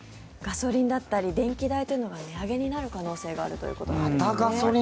ガソリンだったり電気代というのが値上げになる可能性があるということです。